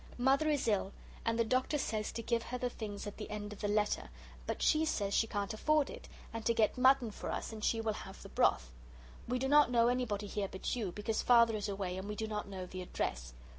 Mother is ill and the doctor says to give her the things at the end of the letter, but she says she can't aford it, and to get mutton for us and she will have the broth. We do not know anybody here but you, because Father is away and we do not know the address.